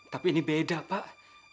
tapi ini beda pak